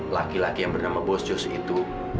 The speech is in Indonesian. laki laki yang bernama bos jus itu